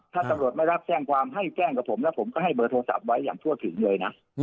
ถ้าตำรวจไม่รับแจ้งความให้แจ้งกับผมแล้วผมก็ให้เบอร์โทรศัพท์ไว้อย่างทั่วถึงเลยนะ